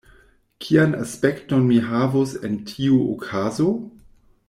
Kian aspekton mi havus en tiu okazo?